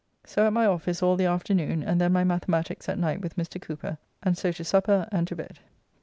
So at my office all the afternoon, and then my mathematiques at night with Mr. Cooper, and so to supper and to bed.